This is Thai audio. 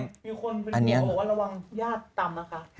มีคนบินเทียบว่าระวังญาติตามอ่ะคะ